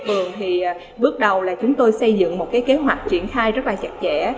thượng trực đảng quỹ ban nhân dân phường thì bước đầu là chúng tôi xây dựng một kế hoạch triển khai rất là chặt chẽ